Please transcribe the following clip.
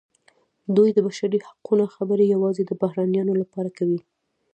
دوی د بشري حقونو خبرې یوازې د بهرنیانو لپاره کوي.